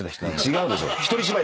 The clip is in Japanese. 違うでしょ。